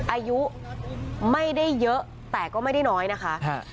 อายุไม่ได้เยอะแต่ก็ไม่ได้น้อยนะคะ